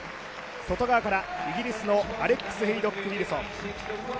外側からイギリスのアレックス・へイドック・ウィルソン。